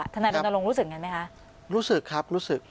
ท่านายลนโรงรู้สึกอย่างไรไหมคะรู้สึกครับรู้สึก